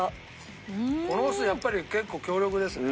このお酢やっぱり結構強力ですね。